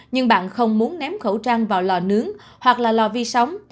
nhưng bạn không muốn ném khẩu trang vào lò nướng hoặc là lò vi sóng